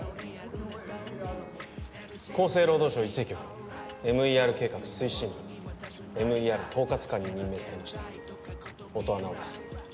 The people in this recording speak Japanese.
厚生労働省医政局ＭＥＲ計画推進部ＭＥＲ統括官に任命されました音羽尚です